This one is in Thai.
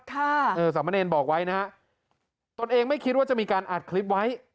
ค่ะเออสามเณรบอกไว้นะฮะตนเองไม่คิดว่าจะมีการอัดคลิปไว้